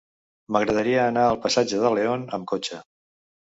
M'agradaria anar al passatge de León amb cotxe.